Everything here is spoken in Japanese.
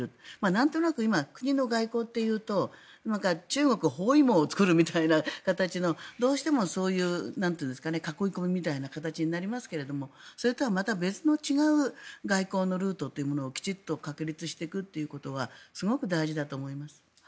なんとなく今、国の外交というと中国包囲網を作るみたいな形のどうしてもそういう囲い込みみたいな形になりますけどそれとはまた別の違う外交のルートというのをきちんと確立していくっていうことはすごく大事だと思います。